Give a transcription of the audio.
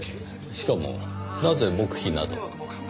しかもなぜ黙秘など。